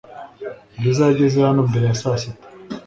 Bwiza yageze hano mbere ya saa sita .